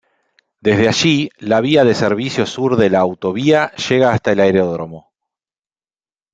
Desde allí, la vía de servicio sur de la autovía llega hasta el aeródromo.